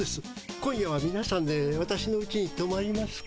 今夜はみなさんで私のうちにとまりますか？